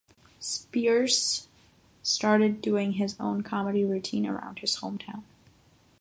Spears started doing his own comedy routine around his hometown.